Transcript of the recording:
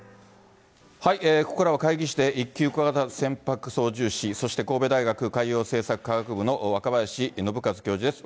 ここからは海技士で１級小型船舶操縦士、そして神戸大学海洋政策科学部の若林伸和教授です。